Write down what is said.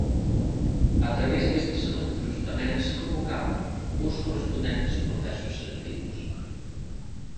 A través destes anuncios tamén se convocaban os correspondentes procesos selectivos.